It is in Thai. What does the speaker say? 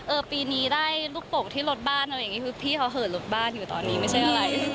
ปีนี้ได้ลูกโป่งที่รถบ้านอะไรอย่างนี้คือพี่เขาเหินรถบ้านอยู่ตอนนี้ไม่ใช่อะไร